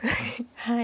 はい。